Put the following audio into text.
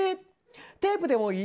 テープでもいい？